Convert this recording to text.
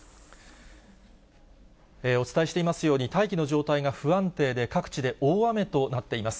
お伝えしていますように、大気の状態が不安定で、各地で大雨となっています。